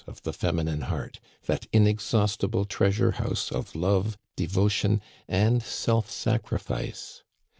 of the feminine heart, that inexhaustible treasure house of love, devotion, and self sacrifice.